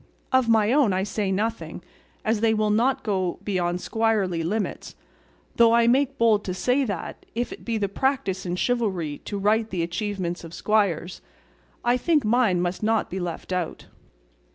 Of my own I say nothing, as they will not go beyond squirely limits, though I make bold to say that, if it be the practice in chivalry to write the achievements of squires, I think mine must not be left out."